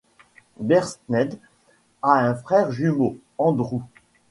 Bernstein a un frère jumeau, Andrew.